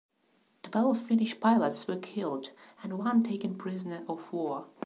Twelve Finnish pilots were killed, and one taken prisoner of war.